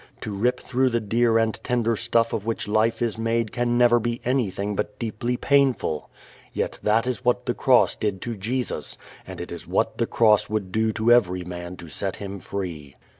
To rip through the dear and tender stuff of which life is made can never be anything but deeply painful. Yet that is what the cross did to Jesus and it is what the cross would do to every man to set him free.